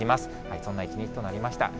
そんな一日となりました。